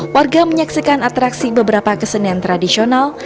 warga menyaksikan atraksi beberapa kesenian tradisional